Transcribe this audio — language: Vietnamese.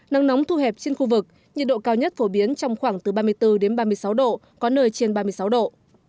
nắng nóng thu hẹp trên khu vực nhiệt độ cao nhất phổ biến trong khoảng từ ba mươi bốn đến ba mươi sáu độ có nơi trên ba mươi sáu độ